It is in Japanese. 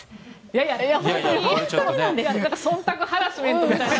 いやいやそんたくハラスメントみたいな。